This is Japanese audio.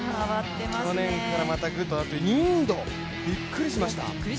去年からまたぐっと、インドびっくりしました。